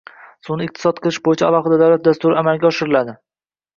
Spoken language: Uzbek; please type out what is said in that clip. suvni iqtisod qilish bo‘yicha alohida davlat dasturi amalga oshiriladi.